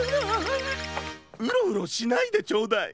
ウロウロしないでちょうだい。